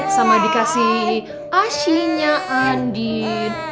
sama dikasih asinya andin